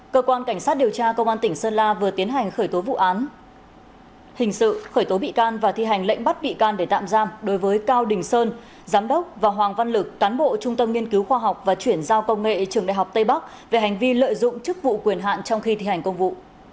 cơ quan cảnh sát điều tra công an tỉnh sơn la vừa tiến hành khởi tố vụ án hình sự khởi tố bị can và thi hành lệnh bắt bị can để tạm giam đối với cao đình sơn giám đốc và hoàng văn lực cán bộ trung tâm nghiên cứu khoa học và chuyển giao công nghệ trường đại học tây bắc về hành vi lợi dụng chức vụ quyền hạn trong khi thi hành công vụ